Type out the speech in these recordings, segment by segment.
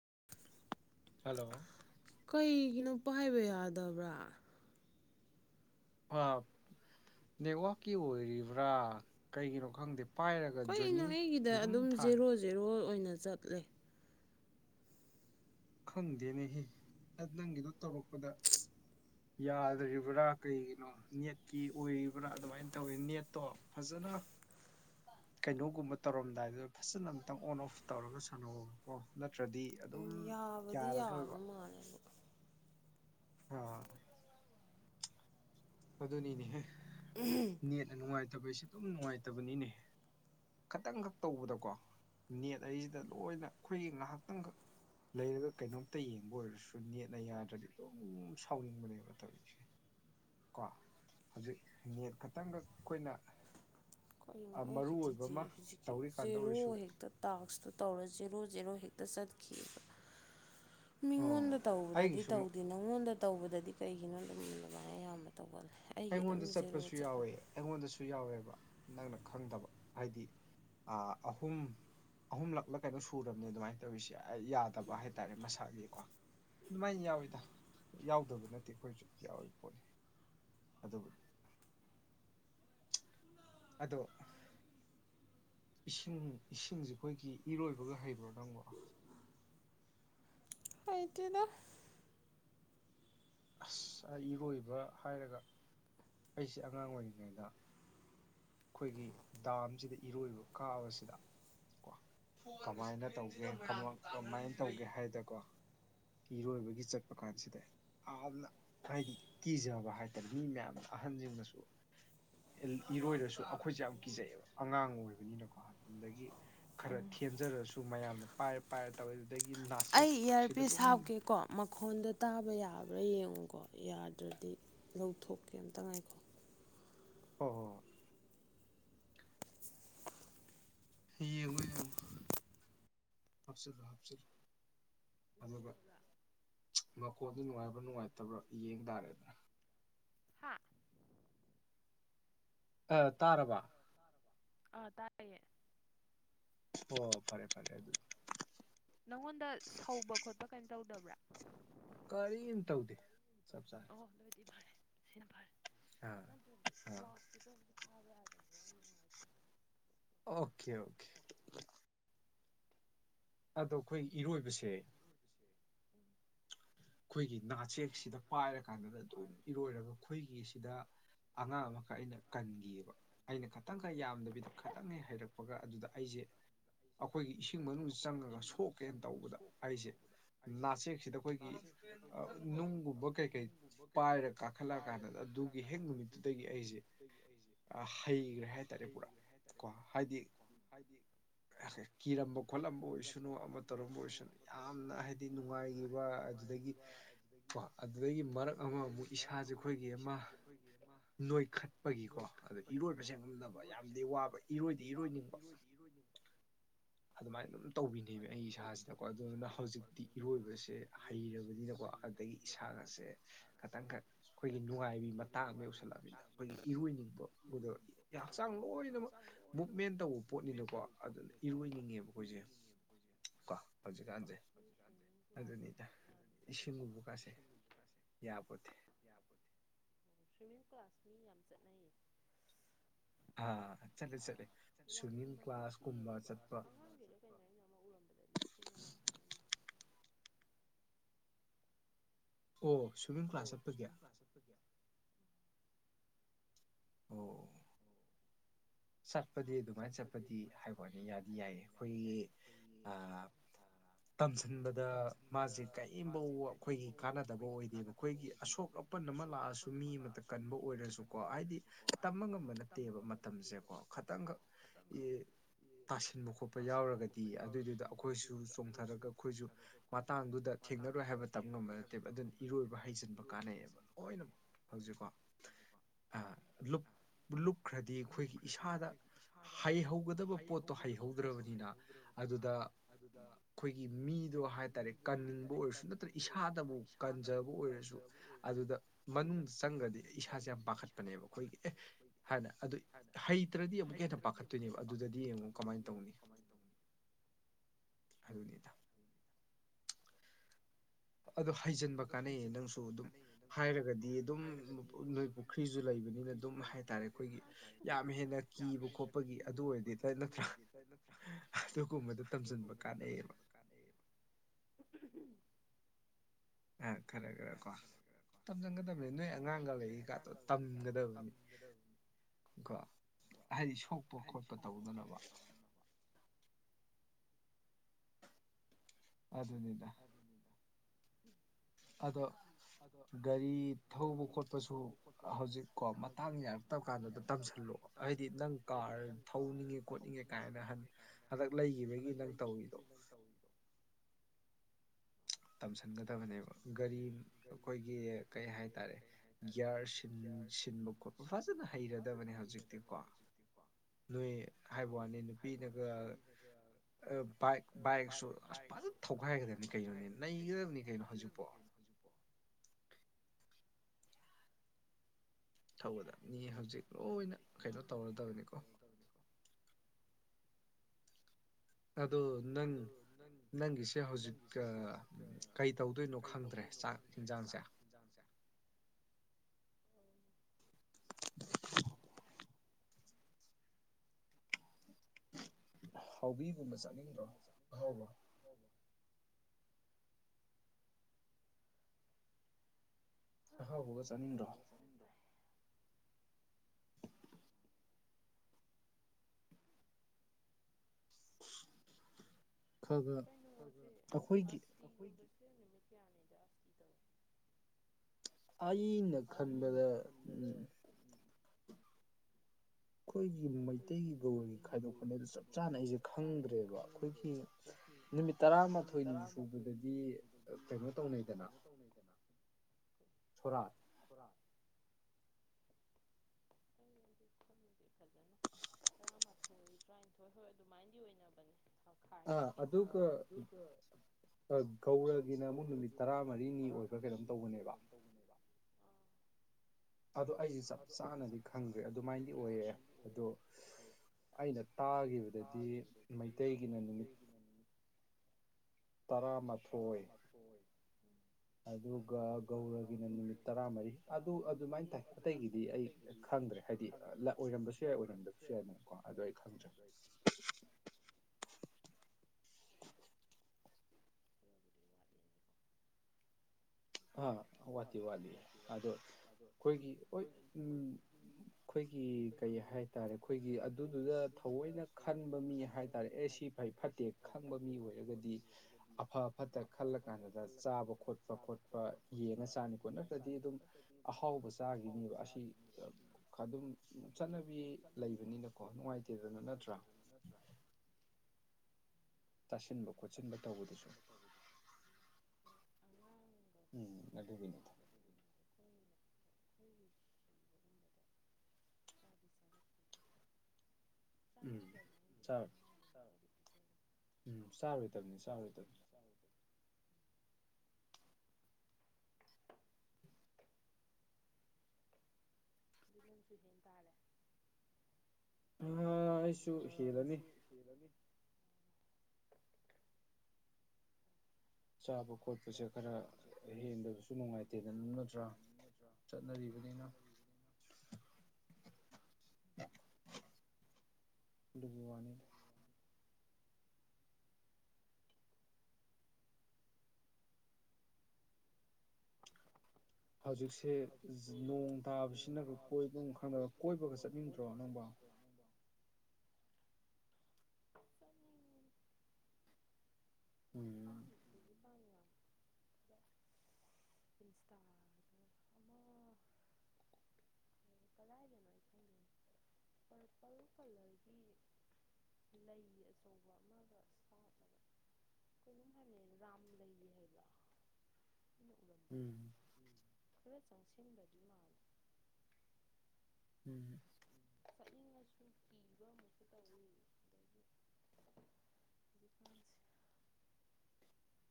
[inaudible] hello ꯀꯩꯒꯤꯅꯣ ꯄꯥꯏꯕ ꯌꯥꯗꯕ꯭ꯔꯥ ꯑꯥ ꯅꯦꯠꯋꯥꯛꯀꯤ ꯑꯣꯏꯔꯤꯕ꯭ꯔꯥ ꯀꯩꯒꯤꯅꯣ ꯈꯪꯗꯦ ꯀꯩꯅꯣ ꯑꯩꯒꯤꯗ ꯑꯗꯨꯝ ꯖꯦꯔꯣ ꯖꯦꯔꯣ ꯑꯣꯏꯅ ꯆꯠꯂꯦ ꯈꯪꯗꯦꯅꯦꯍꯦ ꯅꯪꯒꯤꯗꯣ ꯇꯧꯔꯛꯄꯗ ꯌꯥꯗ꯭ꯔꯤꯕ꯭ꯔꯥ ꯀꯩꯒꯤꯅꯣ ꯅꯦꯠꯀꯤ ꯑꯣꯏꯔꯤꯕ꯭ꯔꯥ ꯑꯗꯨꯃꯥꯏꯅ ꯇꯧꯋꯤ ꯅꯦꯠꯇꯣ ꯐꯖꯅ [inaudible] ꯀꯩꯅꯣꯒꯨꯝꯕ ꯇꯧꯔꯝꯗꯥꯏꯗꯨꯗ ꯐꯖꯟꯅ ꯑꯝꯇꯪ ꯑꯣꯟ ꯑꯣꯐ ꯇꯧꯔꯒ ꯁꯥꯟꯅꯧꯕꯀꯣ ꯅꯠꯇ꯭ꯔꯗꯤ ꯑꯗꯨꯝ ꯌꯥꯕꯗꯤ ꯌꯥꯕ ꯃꯥꯟꯂꯦ ꯑ ꯑꯗꯨꯅꯤꯅꯦꯍꯦ ꯅꯦꯠꯅ ꯅꯨꯡꯉꯥꯏꯇꯕꯁꯦ ꯑꯗꯨꯝ ꯅꯨꯡꯉꯥꯏꯇꯕꯅꯤꯅꯦꯍꯦ ꯈꯇꯪꯈꯛ ꯇꯧꯕꯗꯀꯣ ꯅꯦꯠ ꯑꯩꯁꯤꯗ ꯂꯣꯏꯅ ꯑꯩꯈꯣꯏꯒꯤ ꯉꯥꯏꯍꯥꯛꯇꯪꯈꯛ ꯂꯩꯔꯒ ꯀꯩꯅꯣꯝꯇ ꯌꯦꯡꯕ ꯑꯣꯏꯔꯁꯨ ꯅꯦꯠꯅ ꯌꯥꯗ꯭ꯔꯗꯤ ꯑꯗꯨꯝ ꯁꯥꯎꯅꯤꯡꯕꯅꯦꯕ ꯇꯧꯔꯤꯁꯦ [unintelligible] ꯀꯣ ꯍꯧꯖꯤꯛ ꯅꯦꯠ ꯈꯛꯇꯪꯒ ꯑꯩꯈꯣꯏꯅ ꯀꯩꯅꯣ ꯑꯩꯒꯤꯗꯗꯤ ꯍꯧꯖꯤꯛꯀꯤ ꯖꯦꯔꯣ ꯍꯦꯛꯇ ꯇꯥꯛꯁꯇꯣ ꯇꯧꯔ ꯖꯦꯔꯣ ꯖꯦꯔꯣ ꯍꯦꯛꯇ ꯆꯠꯈꯤ ꯃꯤꯉꯣꯟꯗ ꯇꯧꯕꯗꯗꯤ ꯇꯧꯗꯦ ꯅꯪꯉꯣꯟꯗ ꯇꯧꯕꯗꯗꯤ ꯀꯩꯒꯤꯅꯣ ꯑꯗꯨꯝ ꯑꯗꯨꯃꯥꯏꯅ ꯑꯌꯥꯝꯕ ꯇꯧꯒꯜꯂꯦ ꯑꯩꯉꯣꯟꯗ ꯆꯠꯄꯁꯨ ꯌꯥꯎꯋꯦ ꯑꯩꯉꯣꯟꯗꯁꯨ ꯌꯥꯎꯋꯦꯕ ꯅꯪꯅ ꯈꯪꯗꯕ ꯍꯥꯏꯗꯤ ꯑ ꯑꯍꯨꯝ ꯑꯍꯨꯝꯂꯛꯂ ꯀꯩꯅꯣ ꯁꯨꯔꯕꯅꯦ ꯑꯗꯨꯃꯥꯏꯅ ꯇꯧꯔꯤꯁꯦ ꯌꯥꯗꯕ ꯍꯥꯏꯇꯥꯔꯦ ꯃꯁꯥꯒꯤꯀꯣ ꯑꯗꯨꯃꯥꯏꯅ ꯌꯥꯎꯏꯤꯗ ꯌꯥꯎꯗꯕ ꯅꯠꯇꯦ ꯑꯩꯈꯣꯏꯁꯨ ꯌꯥꯎꯔꯤ ꯄꯣꯠꯅꯤ ꯑꯗꯨ ꯑꯗꯣ ꯏꯁꯤꯡ ꯏꯁꯤꯡꯁꯦ ꯑꯩꯈꯣꯏꯒꯤ ꯏꯔꯣꯏꯕꯒ ꯍꯩꯕ꯭ꯔꯣ ꯅꯪꯕꯣ ꯍꯩꯇꯦꯗ ꯑꯁ ꯑꯩ ꯏꯔꯣꯏꯕ ꯍꯥꯏꯔꯒ ꯑꯩꯁꯦ ꯑꯉꯥꯡ ꯑꯣꯏꯔꯤꯉꯩꯗ ꯑꯩꯈꯣꯏꯒꯤ ꯗꯥꯝꯁꯤꯗ ꯏꯔꯣꯏꯕ ꯀꯥꯕꯁꯤꯗ ꯀꯃꯥꯏꯅ ꯇꯧꯒꯦ ꯀꯃꯥꯏꯅ ꯇꯧꯒꯦ ꯍꯥꯏꯗꯀꯣ ꯏꯔꯣꯏꯕꯒꯤ ꯆꯠꯄ ꯀꯥꯟꯁꯤꯗ ꯌꯥꯝꯅ ꯍꯥꯏꯗꯤ ꯀꯤꯖꯕ ꯍꯥꯏꯇꯥꯔꯦ ꯃꯤ ꯃꯌꯥꯝ ꯑꯍꯟꯁꯤꯡꯅꯁꯨ ꯏꯔꯣꯏꯔꯁꯨ ꯑꯩꯈꯣꯏꯁꯦ ꯌꯥꯝ ꯀꯤꯖꯩꯌꯦꯕ ꯑꯉꯥꯡ ꯑꯣꯏꯕꯅꯤꯅ ꯀꯣ ꯑꯗꯒꯤ ꯈꯔ ꯊꯦꯟꯖꯔꯁꯨ ꯃꯌꯥꯝꯅ ꯄꯥꯏꯔ ꯄꯥꯏꯔ ꯇꯧꯋꯦ ꯑꯩ ꯏꯌꯥꯔꯄꯤꯁ ꯍꯥꯞꯀꯦꯀꯣ ꯃꯈꯣꯟꯗꯣ ꯇꯥꯕ ꯌꯥ ꯄꯨꯔꯥ ꯌꯦꯡꯉꯨꯀꯣ ꯌꯥꯗ꯭ꯔꯗꯤ ꯂꯧꯊꯣꯛꯀꯦ ꯑꯃꯝꯇ ꯉꯥꯏꯈꯣ ꯌꯦꯡꯉꯣ ꯌꯦꯡꯉꯣ ꯍꯥꯞꯆꯜꯂꯨ ꯍꯥꯞꯆꯜꯂꯨ ꯑꯗꯨꯒ ꯃꯈꯣꯟꯗꯨ ꯅꯨꯡꯉꯥꯏꯕ꯭ꯔꯥ ꯅꯨꯡꯉꯥꯏꯇꯕ꯭ꯔꯥ ꯌꯦꯡ ꯇꯥꯔꯦꯅ ꯑ ꯇꯥꯔꯕ ꯑ ꯇꯥꯏꯌꯦ ꯑꯣ ꯐꯔꯦ ꯐꯔꯦ ꯑꯗꯨꯗꯤ ꯅꯪꯉꯣꯟꯗ ꯁꯧꯕ ꯈꯣꯠꯄ ꯀꯩꯝ ꯇꯧꯗꯕ꯭ꯔꯥ ꯀꯔꯤꯝ ꯇꯧꯗꯦ ꯆꯞ ꯆꯥꯔꯦ ꯁꯤꯅ ꯐꯔꯦ ꯅꯠꯇ꯭ꯔꯗꯤ ꯂꯥꯎꯠ ꯁ꯭ꯄꯤꯀꯔꯗꯣ ꯊꯥꯕ ꯌꯥꯗꯦ ꯑꯣꯛꯈꯦ ꯑꯣꯛꯈꯦ ꯑꯗꯣ ꯑꯩꯈꯣꯏ ꯏꯔꯣꯏꯕꯁꯦ ꯑꯩꯈꯣꯏꯒꯤ ꯅꯥꯆꯦꯞꯁꯤꯗ ꯄꯥꯏꯔ ꯀꯥꯟꯗꯨꯗ ꯑꯗꯨꯝ ꯏꯔꯣꯏꯔꯒ ꯑꯩꯈꯣꯏꯒꯤꯁꯤꯗ ꯑꯉꯥꯡ ꯑꯃꯈꯛ ꯑꯩꯅ ꯀꯟꯒꯤꯕ ꯑꯩꯅ ꯈꯇꯪꯈꯛ ꯌꯥꯝꯗꯕꯤꯗ ꯈꯇꯪꯍꯦ ꯍꯩꯔꯛꯄꯒ ꯑꯗꯨꯗ ꯑꯩꯁꯦ ꯑꯩꯈꯣꯏꯒꯤ ꯏꯁꯤꯡ ꯃꯅꯨꯡꯁꯤ ꯆꯪꯉꯒ ꯁꯣꯛꯀꯦꯅ ꯇꯧꯕꯗ ꯑꯩꯁꯦ ꯅꯥꯆꯦꯛꯁꯤꯗ ꯑꯩꯈꯣꯏꯒꯤ ꯑ ꯅꯨꯡꯒꯨꯝꯕ ꯀꯩ ꯀꯩ ꯄꯥꯏꯔꯒ ꯀꯥꯈꯠꯂꯛꯑ ꯀꯥꯟꯗꯗ ꯑꯗꯨꯒꯤ ꯍꯦꯛ ꯅꯨꯃꯤꯠꯇꯨꯗꯒꯤ ꯑꯩꯁꯦ ꯑ ꯍꯩꯒ꯭ꯔꯦ ꯍꯥꯏꯇꯥꯔꯦ ꯍꯩꯒ꯭ꯔꯦ ꯍꯥꯏꯇꯥꯔꯦ ꯄꯨꯜꯂꯞ ꯀꯣ ꯍꯥꯏꯗꯤ [unintelligible] ꯈꯣꯠꯂꯝꯕ ꯑꯣꯏꯁꯅꯨ ꯑꯃ ꯇꯧꯔꯝꯕ ꯑꯣꯏꯁꯅꯨ ꯌꯥꯝꯅ ꯍꯥꯏꯗꯤ ꯅꯨꯡꯉꯥꯏꯕ ꯑꯗꯨꯗꯒꯤ ꯑꯥ ꯑꯗꯨꯗꯒꯤ ꯀꯣ ꯑꯗꯨꯗꯒꯤ ꯃꯔꯛ ꯑꯃ ꯑꯃꯨꯛ ꯏꯁꯥꯁꯦ ꯑꯩꯈꯣꯏꯒꯤ ꯑꯃ ꯅꯣꯏꯈꯠꯄꯒꯤꯀꯣ ꯑꯗ ꯏꯔꯣꯏꯕꯁꯦ ꯉꯝꯗꯕ ꯌꯥꯝꯗꯤ ꯋꯥꯕ ꯏꯔꯣꯏꯗꯤ ꯏꯔꯣꯏꯅꯤꯡꯕ [inaudible] ꯑꯗꯨꯃꯥꯏ ꯑꯗꯨꯝ ꯇꯧꯕꯤꯅꯦꯕ ꯑꯩ ꯏꯁꯥꯁꯤꯗ ꯀꯣ ꯑꯗꯨꯗꯨꯅ ꯍꯧꯖꯤꯛꯇꯤ ꯏꯔꯣꯏꯕꯁꯦ ꯍꯩꯔ ꯒꯀꯣ ꯑꯗꯨꯗꯒꯤ ꯏꯁꯥꯒꯁꯦ ꯈꯇꯪꯈꯛ ꯑꯈꯣꯏꯒꯤ ꯅꯨꯡꯉꯥꯏꯕꯤ ꯃꯇꯥꯡ ꯑꯃ ꯌꯧꯁꯜꯂꯛꯑꯕꯤꯗꯣ ꯑꯈꯣꯏ ꯏꯔꯣꯏꯅꯤꯡꯕ ꯑꯗꯨꯒ ꯋꯥ ꯍꯛꯆꯥꯡ ꯂꯣꯏꯅꯃꯛ ꯃꯨꯚꯃꯦꯟ ꯇꯧꯕ ꯄꯣꯠꯅꯤꯅꯀꯣ ꯑꯗꯨꯅ ꯏꯞ ꯏꯔꯣꯏꯅꯤꯡꯉꯦꯕ ꯑꯈꯣꯏꯁꯦ ꯀꯣ ꯍꯧꯖꯤꯛꯀꯥꯟꯁꯦ ꯑꯗꯨꯅꯤꯗ ꯏꯁꯤꯡ ꯎꯕꯀꯁꯦ ꯌꯥꯕꯣꯠꯇꯦ ꯁꯨꯏꯃꯤꯡꯄꯨꯜ ꯃꯤ ꯆꯠꯅꯩꯌꯦ ꯑꯥ ꯆꯠꯂꯦ ꯆꯠꯂꯦ ꯁꯨꯏꯃꯤꯡ ꯀ꯭ꯂꯥꯁ ꯀꯨꯝꯕ ꯆꯠꯄ [unintelligible] ꯀꯩꯅꯣ ꯑꯩꯅ ꯑꯃꯨꯛ ꯎꯔꯝꯕꯗ ꯂꯤꯁꯤꯡ ꯑꯃ ꯑꯣ ꯁꯨꯏꯃꯤꯡ ꯀ꯭ꯂꯥꯁ ꯑꯃꯇꯒꯤ ꯑꯣ ꯆꯠꯄꯗꯤ ꯑꯗꯨꯃꯥꯏ ꯆꯠꯄꯗꯤ ꯍꯥꯏꯋꯥꯅꯤ ꯌꯥꯗꯤ ꯌꯥꯏꯌꯦ ꯑꯈꯣꯏꯒꯤ ꯑꯥ ꯑꯥ ꯇꯝꯁꯤꯟꯕꯗ ꯃꯥꯖꯤ ꯀꯔꯤꯝꯚꯥꯎꯕ ꯑꯩꯈꯣꯏꯒꯤ ꯀꯥꯟꯅꯗꯕ ꯑꯣꯏꯗꯦꯕ ꯑꯩꯈꯣꯏꯒꯤ ꯑꯁꯣꯛ ꯑꯄꯟ ꯑꯃ ꯂꯥꯛꯑꯁꯨ ꯃꯤ ꯑꯃꯇ ꯀꯟꯕ ꯑꯣꯏꯔꯁꯨꯀꯣ ꯍꯥꯏꯗꯤ ꯇꯝꯕ ꯉꯝꯕ ꯅꯠꯇꯦꯕ ꯃꯇꯝꯁꯦꯀꯣ ꯑꯦ ꯇꯥꯁꯤꯟꯕ ꯈꯣꯠꯄ ꯌꯥꯎꯔꯒꯗꯤ ꯑꯗꯨꯏꯗꯨꯗ ꯑꯩꯈꯣꯏꯁꯨ ꯆꯣꯡꯊꯔꯒ ꯑꯩꯈꯣꯏꯁꯨ ꯃꯇꯥꯡꯗꯨꯗ ꯊꯦꯡꯅꯔꯣꯏ ꯍꯥꯏꯕ ꯇꯝꯉꯝꯕ ꯅꯠꯇꯦꯕ ꯑꯗꯨꯅ ꯏꯔꯣꯏꯕ ꯍꯩꯖꯤꯟꯕ ꯀꯥꯟꯅꯩꯌꯦꯕ ꯂꯣꯏꯅꯃꯛ ꯍꯧꯖꯤꯛꯀꯣ ꯑꯥ ꯂꯨꯞ ꯂꯨꯞꯈ꯭ꯔꯗꯤ ꯑꯈꯣꯏꯒꯤ ꯏꯁꯥꯗ ꯍꯩꯍꯧꯒꯗꯕ ꯄꯣꯠꯇꯣ ꯍꯩꯍꯧꯗ꯭ꯔꯕꯅꯤꯅ ꯑꯗꯨꯗ ꯑꯈꯣꯏꯒꯤ ꯃꯤꯗꯣ ꯍꯥꯏꯇꯥꯔꯦ ꯀꯟꯅꯤꯡꯕ ꯑꯣꯏꯔꯁꯨ ꯅꯠꯇ꯭ꯔ ꯏꯁꯥꯗꯕꯨ ꯀꯟꯖꯕ ꯑꯣꯏꯔꯁꯨ ꯑꯗꯨ ꯑꯗꯨꯗ ꯃꯅꯨꯡꯗ ꯆꯪꯒ꯭ꯔꯥꯗꯤ ꯑꯩ ꯏꯁꯥꯁꯦ ꯌꯥꯝ ꯄꯥꯈꯠꯄꯅꯦꯕ ꯑꯈꯣꯏꯒꯤ ꯑꯦ ꯍꯥꯏꯅ ꯑꯗꯨꯏ ꯍꯩꯇ꯭ꯔꯗꯤ ꯍꯩꯇ꯭ꯔꯗꯤ ꯑꯃꯨꯛꯀ ꯍꯦꯟꯅ ꯄꯥꯈꯠꯇꯣꯏꯅꯦꯕ ꯑꯗꯨꯗꯗꯤ ꯑꯃꯨꯛ ꯀꯃꯥꯏ ꯇꯧꯅꯤ ꯑꯗꯨꯅꯤꯗ ꯑꯗꯣ ꯍꯩꯖꯤꯟꯕ ꯀꯥꯟꯅꯩꯌꯦ ꯅꯪꯁꯨ ꯑꯗꯨꯝ ꯍꯥꯏꯔꯒꯗꯤ ꯑꯗꯨꯝ ꯅꯣꯏ ꯄꯨꯈ꯭ꯔꯤꯁꯨ ꯂꯩꯕꯅꯤꯅ ꯑꯗꯨꯝ ꯍꯥꯏꯇꯥꯔꯦ ꯑꯩꯈꯣꯏꯒꯤ ꯌꯥꯝ ꯍꯦꯟꯅ ꯀꯤꯕ ꯈꯣꯠꯄꯒꯤ ꯑꯗꯨ ꯑꯣꯏꯔꯗꯤꯂꯣꯏ ꯅꯠꯇ꯭ꯔꯥ ꯑꯗꯨꯒꯨꯝꯕꯗꯨ ꯇꯝꯖꯤꯟꯕ ꯀꯥꯟꯅꯩꯌꯦꯕ [unintelligible] ꯑꯥ ꯈꯔ ꯈꯔꯒ ꯀꯣ ꯇꯝꯖꯟꯒꯗꯕꯅꯤ ꯅꯣꯏ ꯑꯉꯥꯡꯒ ꯂꯩꯔꯤꯒꯗꯣ ꯇꯝꯒꯗꯕꯅꯤ ꯀꯣ ꯍꯥꯏꯗꯤ ꯁꯣꯛꯄ ꯈꯣꯠꯄ ꯇꯧꯗꯅꯕ [inaudible] ꯑꯗꯨꯅꯤꯗ [inaudible] ꯑꯗꯣ ꯒꯥꯔꯤ ꯊꯧꯕ ꯈꯣꯠꯄꯁꯨ ꯍꯧꯖꯤꯛꯀꯣ ꯃꯇꯥꯡ ꯌꯥꯔꯛꯇꯕ ꯀꯥꯟꯗꯨꯗ ꯇꯝꯁꯜꯂꯨ ꯗ ꯍꯥꯏꯗꯤ ꯅꯪ ꯀꯥꯔ ꯊꯧꯅꯤꯡꯉꯦ ꯈꯣꯠꯅꯤꯡꯉꯦ ꯀꯥꯏꯅ ꯍꯟꯗꯛ ꯂꯩꯈꯤꯕꯒꯤ ꯅꯪ ꯇꯧꯔꯤ ꯑꯗꯨ ꯅꯪ ꯇꯧꯔꯤꯗꯣ ꯇꯝꯁꯤꯟꯒꯗꯕꯅꯦꯕ ꯒꯥꯔꯤ ꯑꯈꯣꯏꯒꯤ ꯀꯩ ꯍꯥꯏꯇꯥꯔꯦ ꯒꯤꯌꯥꯔ ꯁꯤꯟ ꯁꯤꯟꯕ ꯈꯣꯠꯄ ꯐꯖꯅ ꯍꯩꯔꯗꯕꯅꯦ ꯍꯧꯖꯤꯛꯇꯤꯀꯣ ꯅꯣꯏ ꯍꯥꯏꯕ ꯋꯥꯅꯤ ꯅꯨꯄꯤꯅꯒ ꯕꯥꯏꯛ ꯕꯥꯏꯛꯁꯨ ꯑꯁ ꯐꯖꯅ ꯊꯧꯒꯥꯏꯒꯗꯕꯅꯤ ꯀꯩꯩꯅꯣꯅꯦ ꯅꯩ ꯄꯤꯒꯗꯕꯅꯤ ꯀꯩꯅꯣ ꯍꯧꯖꯤꯛꯄꯥꯎ ꯊꯧꯕꯗ ꯃꯤ ꯍꯧꯖꯤꯛ ꯂꯣꯏꯅ ꯀꯩꯅꯣ ꯇꯧꯔꯗꯕꯅꯤꯀꯣ ꯑꯗꯣ ꯅꯪ ꯅꯪꯒꯤꯁꯦ ꯍꯧꯖꯤꯛ ꯀꯩ ꯇꯧꯗꯣꯏꯅꯣ ꯈꯪꯗ꯭ꯔꯦ ꯆꯥꯛ ꯏꯟꯁꯥꯡꯁꯦ [inaudible] [inaudible] ꯍꯥꯎꯕꯤꯒꯨꯝꯕ ꯆꯠꯅꯤꯡꯕ꯭ꯔꯣ ꯑꯍꯧꯕꯣ ꯑꯍꯥꯎꯕꯒ ꯆꯥꯅꯤꯡꯗ꯭ꯔꯣ [inaudible] [unintelligible] ꯅꯣꯏ ꯅꯨꯃꯤꯠ ꯀꯥꯌꯅꯤꯗ ꯑꯁꯇꯤ ꯇꯧꯏ ꯑꯩꯅ ꯈꯟꯕꯗ ꯎꯝ ꯑꯈꯣꯏꯒꯤ ꯃꯩꯇꯩꯒꯤ ꯑꯣꯏꯅ ꯈꯥꯏꯗꯣꯛꯄꯅꯦꯗ ꯆꯞ ꯆꯥꯅ ꯑꯩꯁꯦ ꯈꯪꯗ꯭ꯔꯦꯕ ꯑꯩꯈꯣꯏꯒꯤ ꯅꯨꯃꯤꯠ ꯇꯔꯥꯃꯥꯊꯣꯏꯅꯤ ꯁꯨꯕꯗꯗꯤ ꯀꯩꯅꯣ ꯇꯧꯅꯩꯗꯅ ꯁꯣꯔꯥꯠ ꯎꯝ ꯑꯩꯁꯨ ꯈꯪꯗꯦ ꯐꯖꯅ ꯇꯔꯥꯃꯥꯊꯣꯏ ꯇꯔꯥꯅꯤꯊꯣꯏ ꯍꯣꯏ ꯑꯗꯨꯃꯥꯏꯅꯗꯤ ꯑꯣꯏꯅꯕꯅꯦ ꯑꯥ ꯑꯗꯨꯒ ꯒꯧꯔꯒꯤꯅ ꯑꯃꯨꯛ ꯅꯨꯃꯤꯠ ꯇꯔꯥꯃꯔꯤꯅꯤ ꯑꯣꯏꯕ꯭ꯔꯥ ꯀꯩꯅꯣꯝ ꯇꯧꯕꯅꯦꯕ ꯑꯗꯣ ꯑꯩꯁꯦ ꯆꯞ ꯆꯥꯅꯗꯤ ꯈꯪꯗ꯭ꯔꯦ ꯑꯗꯨꯃꯥꯏꯅꯗꯤ ꯑꯣꯏꯌꯦ ꯑꯗꯣ ꯑꯩꯅ ꯇꯥꯈꯤꯕꯗꯗꯤ ꯃꯩꯇꯩꯒꯤꯅ ꯅꯨꯃꯤꯠ ꯇꯔꯥꯃꯥꯊꯣꯏ ꯑꯗꯨꯒ ꯒꯧꯔꯒꯤꯅ ꯅꯨꯃꯤꯠ ꯇꯔꯥꯃꯔꯤ ꯑꯗꯨ ꯑꯗꯨꯃꯥꯏꯅ ꯇꯥꯏ ꯑꯇꯩꯒꯤꯗꯤ ꯑꯩ ꯈꯪꯗ꯭ꯔꯦ ꯍꯥꯏꯗꯤ ꯑꯣꯏꯔꯝꯕꯁꯨ ꯌꯥꯏ ꯑꯣꯏꯔꯝꯗꯕꯁꯨ ꯌꯥꯏꯅꯅꯀꯣ ꯑꯗꯣ ꯑꯩ ꯈꯪꯗ꯭ꯔꯦ ꯑꯥ ꯋꯥꯠꯇꯤ ꯋꯥꯠꯂꯤ ꯑꯗꯣ ꯑꯈꯣꯏꯒꯤ ꯍꯣꯏ ꯎ ꯑꯈꯣꯏꯒꯤ ꯀꯩ ꯍꯥꯏꯇꯥꯔꯦ ꯑꯈꯣꯏꯒꯤ ꯑꯗꯨꯗꯨꯗ ꯊꯑꯣꯏꯅ ꯈꯟꯕ ꯃꯤ ꯍꯥꯏꯇꯥꯔꯦ ꯑꯦ ꯁꯤ ꯐꯩ ꯐꯠꯇꯦ ꯈꯪꯕ ꯃꯤ ꯑꯣꯏꯔꯒꯗꯤ ꯑꯐ ꯐꯠꯇ ꯈꯜꯂ ꯀꯥꯟꯗꯨꯗ ꯆꯥꯕ ꯈꯣꯠꯄ ꯈꯣꯠꯄ ꯍꯥꯏ ꯌꯦ ꯍꯦꯅ ꯆꯥꯅꯤ ꯈꯣꯠꯅꯈ꯭ꯔꯗꯤ ꯑꯗꯨꯝ ꯑꯍꯥꯎꯕ ꯆꯥꯈꯤꯅꯦꯕ ꯑꯁꯤ ꯑꯗꯨꯝ ꯆ ꯆꯠꯅꯕꯤ ꯂꯩꯕꯅꯤꯅꯀꯣ ꯅꯨꯡꯉꯥꯏꯇꯦꯗꯅ ꯅꯠꯇ꯭ꯔꯥ [inaudible] ꯆꯥꯁꯤꯟꯕ ꯈꯣꯠꯆꯤꯟꯕ ꯇꯧꯕꯗꯨꯁꯨ ꯎꯝ ꯑꯗꯨꯒꯤꯅꯤ [inaudible] ꯎꯝ ꯆꯥ ꯎꯝ ꯆꯥꯔꯣꯏꯗꯕꯅꯤ ꯆꯥꯔꯣꯏꯗꯕꯅꯤ ꯑꯗꯨ ꯅꯪ ꯁꯦꯀꯦꯟ ꯇꯥꯔꯦ ꯑꯥ ꯑꯩꯁꯨ ꯍꯦꯜꯂꯅꯤ ꯆꯥꯔꯕꯣ ꯈꯣꯠꯄꯁꯦ ꯈꯔ ꯍꯦꯟꯕꯗꯁꯨ ꯅꯨꯡꯉꯥꯏꯇꯦꯗ ꯑꯗꯨꯝ ꯅꯠꯇ꯭ꯔꯥ ꯆꯠꯅꯔꯤꯕꯅꯤꯅ [inaudible] ꯑꯗꯨ ꯋꯥꯅꯤꯗ ꯍꯧꯖꯤꯛꯁꯦ ꯅꯣꯡ ꯇꯥꯕꯁꯤꯅ ꯀꯣꯏꯕ ꯈꯪꯕ ꯀꯣꯏꯕꯒ ꯆꯠꯅꯤꯡꯗ꯭ꯔꯣ ꯅꯣꯏꯕꯨ ꯆꯠꯅꯤꯡꯉꯤ ꯃꯐꯝꯕꯨꯗꯤ [unintelligible] ꯏꯟꯁꯇꯗ ꯈꯥꯔ ꯑꯃ ꯀꯗꯥꯏꯗꯅꯣ ꯑꯩ ꯈꯪꯗꯦ ꯄ꯭ꯔꯄꯜ ꯀꯂꯔꯒꯤ ꯂꯩ ꯑꯆꯧꯕ ꯑꯃꯒ ꯁꯥꯠꯂꯒ ꯀꯩꯅꯣꯝ ꯍꯥꯏꯕꯅꯦ ꯔꯥꯝ ꯂꯩꯕꯤ ꯍꯥꯏꯕ꯭ꯔꯥ ꯎꯝ ꯈꯔ ꯆꯪꯁꯤꯟꯕꯁꯨ ꯃꯥꯜꯂꯦ ꯎꯝ ꯆꯛꯅꯤꯡꯉꯁꯨ ꯀꯤꯕ ꯑꯃꯁꯨ ꯇꯧꯋ [inaudible]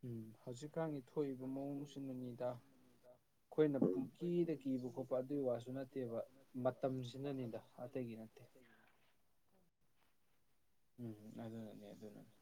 ꯎꯝ ꯍꯧꯖꯤꯛꯀꯥꯟꯒꯤ ꯊꯣꯛꯏꯕ ꯃꯑꯣꯡꯁꯤꯅꯅꯤꯗ ꯑꯩꯈꯣꯏꯅ ꯄꯨꯡꯀꯤꯗ ꯀꯤꯕ ꯈꯣꯠꯄ ꯑꯗꯨꯒꯤ ꯋꯥꯁꯨ ꯅꯠꯇꯦꯕ ꯃꯇꯝꯁꯤꯅꯅꯤꯗ ꯇꯩꯒꯤ ꯅꯠꯇꯦ ꯎꯝ ꯑꯗꯨꯅꯅꯤ ꯑꯗꯨꯅꯅꯤ